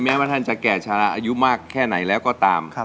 ว่าท่านจะแก่ชะลาอายุมากแค่ไหนแล้วก็ตาม